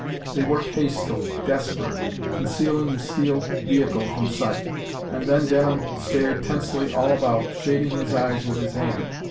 They worked hastily, desperately, concealing the steel vehicle from sight. And then Denham stared tensely all about, shading his eyes with his hand.